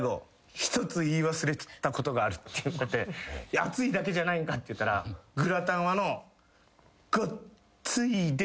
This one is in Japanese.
「熱いだけじゃないんか？」って言ったら「グラタンはのう」